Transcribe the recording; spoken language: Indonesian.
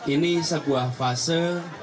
ini sebuah fase